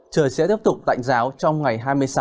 trời sẽ tiếp tục tạnh giáo trong ngày hai mươi sáu